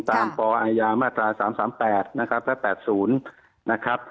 ตามปอมตรา๓๓๘นะครับและ๘๐นะครับ